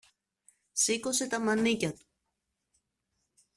σήκωσε τα μανίκια του